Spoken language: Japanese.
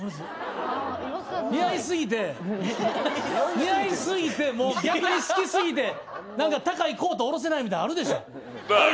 似合いすぎてもう逆に好きすぎて何か高いコートおろせないみたいなんあるでしょ。